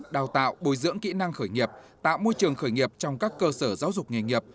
đào tạo bồi dưỡng kỹ năng khởi nghiệp tạo môi trường khởi nghiệp trong các cơ sở giáo dục nghề nghiệp